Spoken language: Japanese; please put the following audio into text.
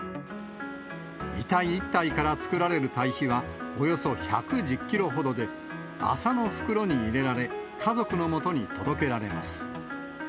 遺体１体から作られる堆肥は、およそ１１０キロほどで、麻の袋に入れられ、家族のもとに届けられます。